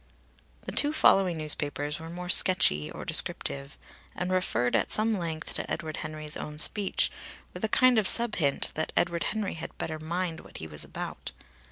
The two following newspapers were more sketchy or descriptive, and referred at some length to Edward Henry's own speech, with a kind of sub hint that Edward Henry had better mind what he was about.